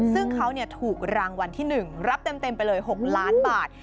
ซึ่งเขาถูกรางวัลที่๑รับเต็มไปเลย๖ล้านบาท